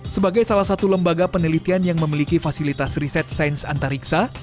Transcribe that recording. sebagai salah satu lembaga penelitian yang memiliki fasilitas riset sains antariksa